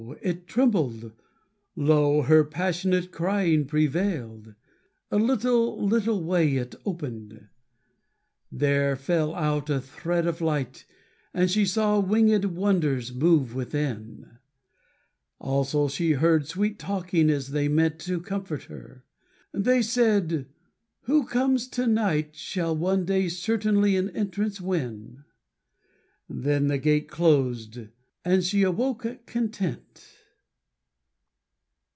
it trembled, lo! her passionate Crying prevailed. A little little way It opened: there fell out a thread of light, And she saw wingèd wonders move within; Also she heard sweet talking as they meant To comfort her. They said, "Who comes to night Shall one day certainly an entrance win;" Then the gate closed and she awoke content.